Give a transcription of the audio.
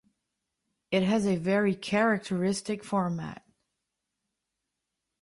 It has a very characteristic format.